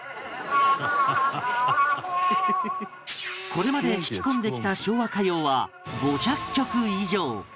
これまで聴き込んできた昭和歌謡は５００曲以上